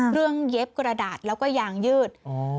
เครื่องเย็บกระดาษแล้วก็ยางยืด